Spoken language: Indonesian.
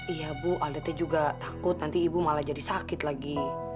iya bu adatnya juga takut nanti ibu malah jadi sakit lagi